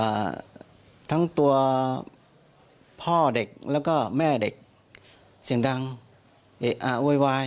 ทั้งตัวพ่อเด็กแล้วก็แม่เด็กเสียงดังเอะอะโวยวาย